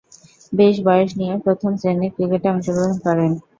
বেশ বয়স নিয়ে প্রথম-শ্রেণীর ক্রিকেটে অংশগ্রহণ করেন।